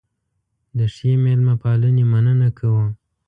د ښې مېلمه پالنې مننه کوو.